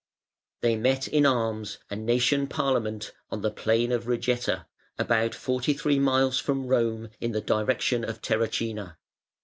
They met in arms, a nation parliament, on the plain of Regeta, about forty three miles from Rome in the direction of Terracina.